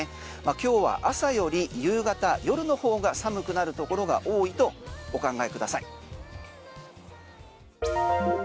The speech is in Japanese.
今日は朝より夕方夜の方が寒くなるところが多いとお考えください。